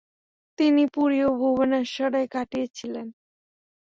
তিনি পুরী ও ভুবনেশ্বরে কাটিয়েছিলেন।